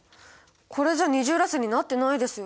これじゃ二重らせんになってないですよ。